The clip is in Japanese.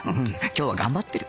今日は頑張ってる